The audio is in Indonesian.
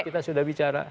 kita sudah bicara